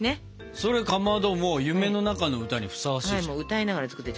それかまど「夢の中の歌」にふさわしいじゃん。